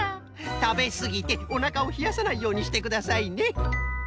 たべすぎておなかをひやさないようにしてくださいね。